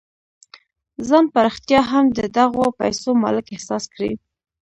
ځان په رښتيا هم د دغو پيسو مالک احساس کړئ.